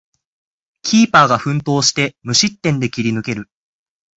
キーパーが奮闘して無失点で切り抜ける